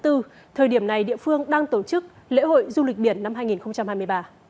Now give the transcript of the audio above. thời điểm này địa phương đang tổ chức lễ hội du lịch biển năm hai nghìn hai mươi ba